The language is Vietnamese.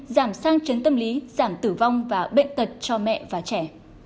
giảm sang chấn tâm lý giảm tử vong và bệnh tật cho mẹ và trẻ